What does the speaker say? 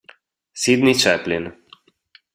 Sydney Chaplin